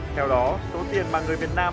theo đó số tiền mà người việt nam